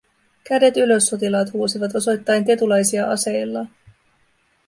"Kädet ylös", sotilaat huusivat osoittaen tetulaisia aseillaan.